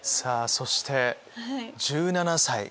そして「１７歳」。